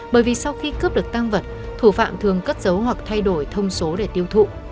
bởi vì sau khi cướp được tăng vật thủ phạm thường cất giấu hoặc thay đổi thông số để tiêu thụ